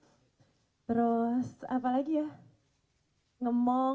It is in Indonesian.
terus apa lagi ya ngemong